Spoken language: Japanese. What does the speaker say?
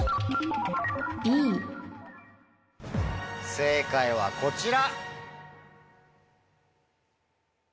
正解はこちら。